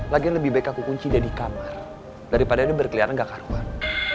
lagian lebih baik aku kuncin dia di kamar daripada dia berkelianan gak ke ruang